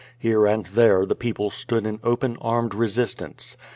Here and there the people stood in open araied re sistance.